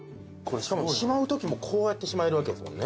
しまうときもこうやってしまえるわけですもんね。